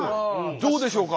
どうでしょうか？